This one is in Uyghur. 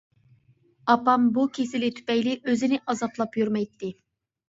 ئاپام بۇ كېسىلى تۈپەيلى ئۆزىنى ئازابلاپ يۈرمەيتتى.